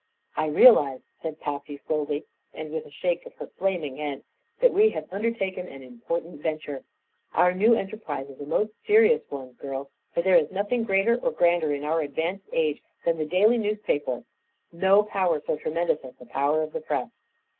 "I realize," said Patsy, slowly and with a shake of her flaming head, "that we have undertaken an important venture. Our new enterprise is a most serious one, girls, for there is nothing greater or grander in our advanced age than the daily newspaper; no power so tremendous as the Power of the Press."